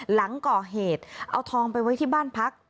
หลังก่อเหตุเอาทองไปไว้ที่บ้านพัก